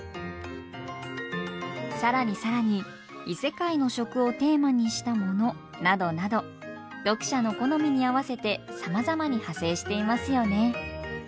更に更に異世界の食をテーマにしたものなどなど読者の好みに合わせてさまざまに派生していますよね。